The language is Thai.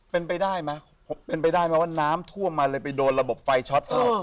เป็นไปได้ไหมเป็นไปได้ไหมว่าน้ำท่วมมาเลยไปโดนระบบไฟช็อต